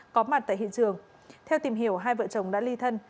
có mặt tại hiện trường theo tìm hiểu hai vợ chồng đã ly thân